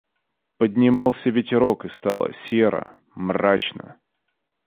Поднимался ветерок, и стало серо, мрачно.